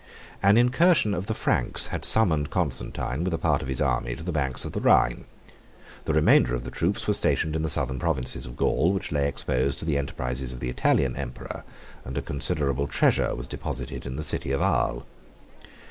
An incursion of the Franks had summoned Constantine, with a part of his army, to the banks of the Rhine; the remainder of the troops were stationed in the southern provinces of Gaul, which lay exposed to the enterprises of the Italian emperor, and a considerable treasure was deposited in the city of Arles.